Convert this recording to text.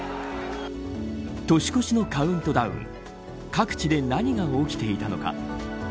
年越しのカウントダウン各地で何が起きていたのか。